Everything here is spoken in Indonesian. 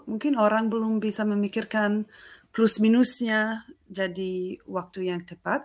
mungkin orang belum bisa memikirkan plus minusnya jadi waktu yang tepat